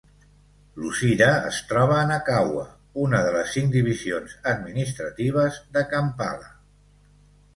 Luzira es troba a Nakawa, una de les cinc divisions administratives de Kampala.